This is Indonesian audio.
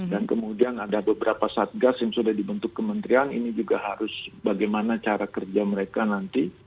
dan kemudian ada beberapa satgas yang sudah dibentuk kementerian ini juga harus bagaimana cara kerja mereka nanti